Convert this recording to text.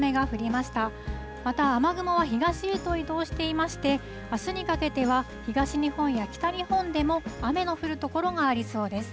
また、雨雲は東へと移動していまして、あすにかけては、東日本や北日本でも雨の降る所がありそうです。